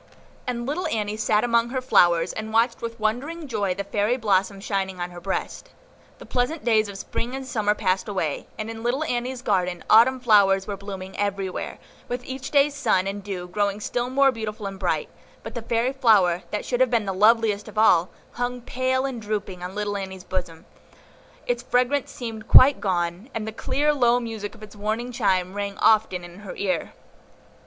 And little Annie sat among her flowers, and watched with wondering joy the fairy blossom shining on her breast. The pleasant days of Spring and Summer passed away, and in little Annie's garden Autumn flowers were blooming everywhere, with each day's sun and dew growing still more beautiful and bright; but the fairy flower, that should have been the loveliest of all, hung pale and drooping on little Annie's bosom; its fragrance seemed quite gone, and the clear, low music of its warning chime rang often in her ear.